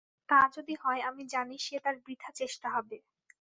তা যদি হয় আমি জানি সে তাঁর বৃথা চেষ্টা হবে।